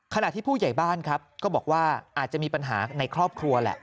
ขณะที่ผู้ใหญ่บ้านครับก็บอกว่าอาจจะมีปัญหาในครอบครัวแหละ